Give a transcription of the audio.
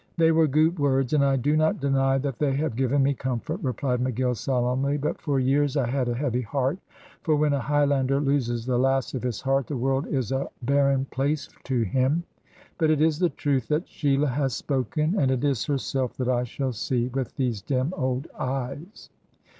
"They were goot words, and I do not deny that they have given me comfort," replied McGill, solemnly. "But for years I had a heavy heart; for when a Highlander loses the lass of his heart, the world is a barren place to him. But it is the truth that Sheila has spoken, and it is herself that I shall see, with these dim old eyes."